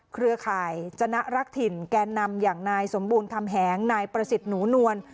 เครือข่ายจนะรักถิ่นแก่นำอย่างนายสมบูรณคำแหงนายประสิทธิ์หนูนวล